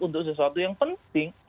untuk sesuatu yang penting